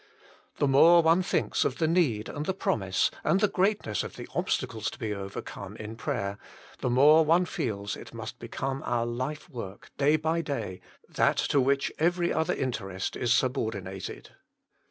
The more one thinks of the need and the promise, and the great ness of the obstacles to be overcome in prayer, the more one fcela it must become our life work day by day, that to which every other interest is subordinated.